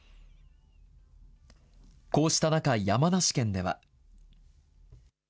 こうした中、山梨県では。